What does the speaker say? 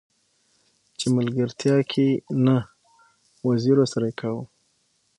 چې ملګرتيا کې نه وزيرو سره يې کاوه.